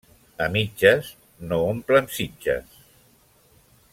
A mitges no omplen sitges.